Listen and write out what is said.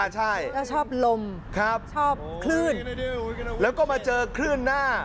ใช่ก็ชอบลมชอบคลื่นแล้วก็มาเจอคลื่นหน้า